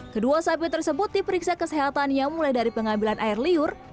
kedua sapi tersebut diperiksa kesehatannya mulai dari pengambilan air liur